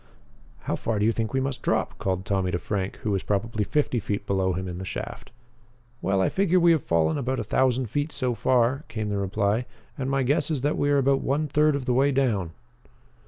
"How far do you think we must drop?" called Tommy to Frank, who was probably fifty feet below him in the shaft. "Well, I figure we have fallen about a thousand feet so far," came the reply, "and my guess is that we are about one third of the way down."